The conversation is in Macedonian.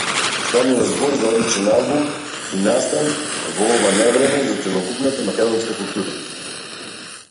Станува збор за одличен албум и настан во ова невреме за целокупната македонска култура.